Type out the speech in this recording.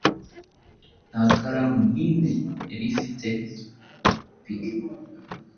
Nta karamu nimwe yari afitepike